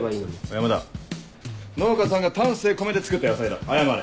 山田農家さんが丹精込めて作った野菜だ謝れ。